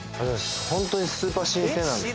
本当にスーパー新鮮なんですね